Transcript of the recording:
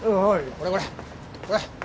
これこれこれ。